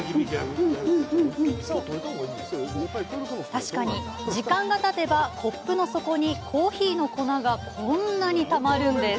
確かに、時間がたてばコップの底にコーヒーの粉がこんなにたまるんです。